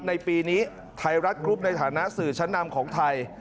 ในปีนี้ไทยรัฐกรุ๊ปในฐานะสื่อชั้นนำของไทย